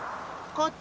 こっち！